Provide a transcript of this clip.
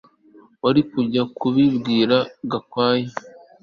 Wari kujya kubibwira Gakwaya